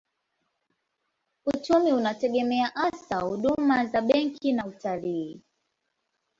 Uchumi unategemea hasa huduma za benki na utalii.